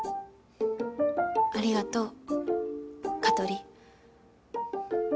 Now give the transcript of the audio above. ありがとう香取。